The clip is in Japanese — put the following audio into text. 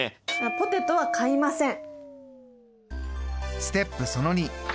ポテトは買いません！